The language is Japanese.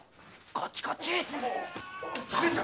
こっちこっち！